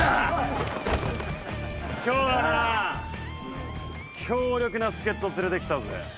今日はな強力な助っ人連れてきたぜ。